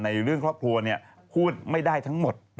ในเรื่องครอบครัวพูดไม่ได้ทั้งหมด